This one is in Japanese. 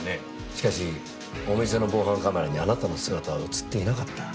しかしお店の防犯カメラにあなたの姿は映っていなかった。